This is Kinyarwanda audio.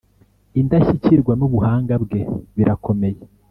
indashyikirwa nubuhanga bwe birakomeye